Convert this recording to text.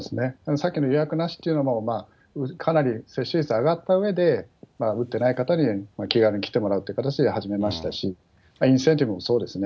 さっきの予約なしっていうのも、かなり接種率上がったうえで、打ってない方に気軽に来てもらうという形で始めましたし、インセンティブもそうですね。